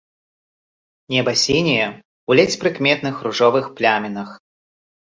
Неба сіняе ў ледзь прыкметных ружовых плямінах.